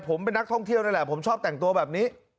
ผมเป็นนักท่องเที่ยวนั่นแหละผมชอบแต่งตัวแบบนี้